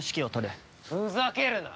ふざけるな！